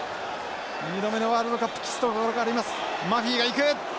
２度目のワールドカップ期するところがあります。